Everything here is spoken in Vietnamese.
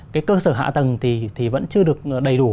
cái cơ sở hạ tầng thì vẫn chưa được đầy đủ